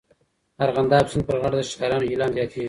د ارغنداب سیند پر غاړه د شاعرانو الهام زیاتیږي.